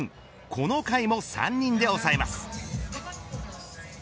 この回も３人で抑えます。